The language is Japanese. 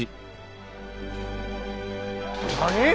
何！？